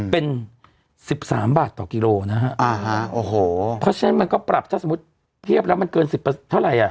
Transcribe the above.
เป็น๑๓บาทต่อกิโลนะฮะโอ้โหเพราะฉะนั้นมันก็ปรับถ้าสมมุติเทียบแล้วมันเกิน๑๐เท่าไหร่อ่ะ